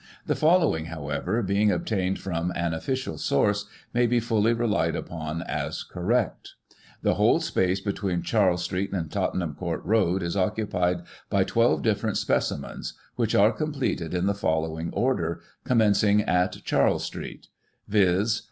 The following, however, being obtained from an official source, may be fully relied upon as correct: The whole space between Charles Street and Tottenham Court Road is occupied by 12 different specimens, which are com pleted in the following order, commencing at Charles Street : viz.